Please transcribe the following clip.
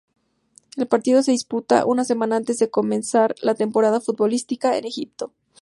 El partido se disputa una semana antes de comenzar la temporada futbolística en Egipto.